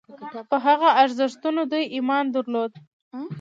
په هغه ارزښتونو دوی ایمان درلود.